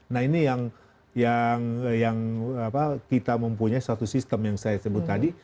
nah ini yang kita mempunyai satu sistem yang saya sebut tadi